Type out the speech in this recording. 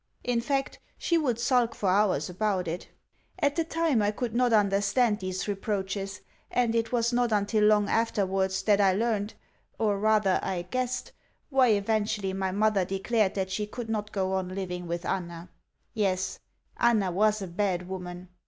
In fact, she would sulk for hours about it. At the time I could not understand these reproaches, and it was not until long afterwards that I learned or rather, I guessed why eventually my mother declared that she could not go on living with Anna. Yes, Anna was a bad woman.